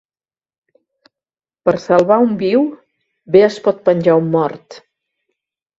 Per salvar un viu, bé es pot penjar un mort.